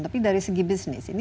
tapi dari segi bisnis